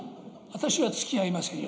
私はつきあいませんよ。